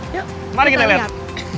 yuk mari kita lihat